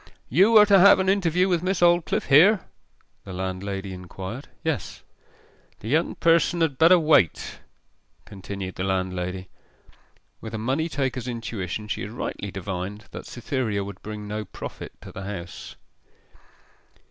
'You are to have an interview with Miss Aldclyffe here?' the landlady inquired. 'Yes.' 'The young person had better wait,' continued the landlady. With a money taker's intuition she had rightly divined that Cytherea would bring no profit to the house.